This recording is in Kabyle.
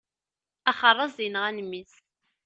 Axeṛṛaz yenɣan mmi-s.